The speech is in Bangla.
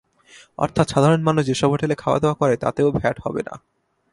অর্থাৎ সাধারণ মানুষ যেসব হোটেলে খাওয়াদাওয়া করে, তাতেও ভ্যাট হবে না।